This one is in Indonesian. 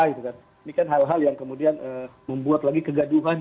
ini kan hal hal yang kemudian membuat lagi kegaduhan